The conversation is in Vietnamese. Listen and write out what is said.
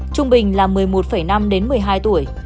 trung bình là một mươi một năm đến một mươi hai tuổi